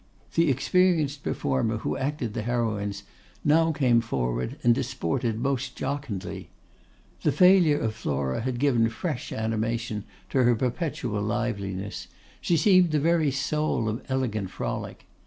The experienced performer who acted the heroines now came forward and disported most jocundly. The failure of Flora had given fresh animation to her perpetual liveliness. She seemed the very soul of elegant frolic.